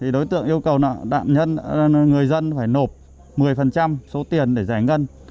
đối tượng yêu cầu người dân phải nộp một mươi số tiền để giải ngân